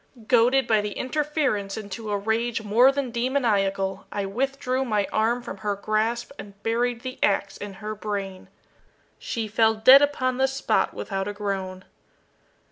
Goaded by the interference into a rage more than demoniacal, I withdrew my arm from her grasp and buried the ax in her brain. She fell dead upon the spot without a groan.